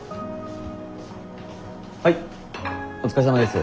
はいお疲れさまです。